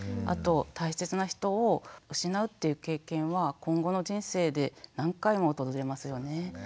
あと大切な人を失うっていう経験は今後の人生で何回も訪れますよね。